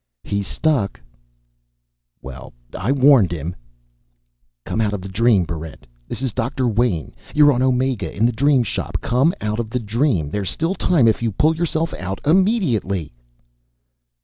"He's stuck." "Well, I warned him...." "_Come out of the dream, Barrent. This is Doctor Wayn. You're on Omega, in the Dream Shop. Come out of the dream. There's still time if you pull yourself out immediately.